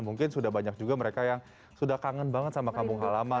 mungkin sudah banyak juga mereka yang sudah kangen banget sama kampung halaman